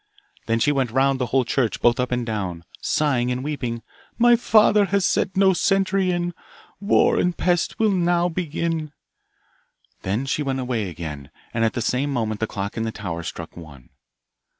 Then she went round the whole church, both up and down, sighing and weeping, My father has set no sentry in, War and Pest will now begin. Then she went away again, and at the same moment the clock in the tower struck one.